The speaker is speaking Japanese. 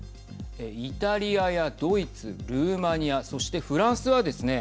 イタリアやドイツ、ルーマニアそして、フランスはですね。